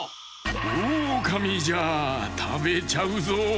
オオカミじゃたべちゃうぞ。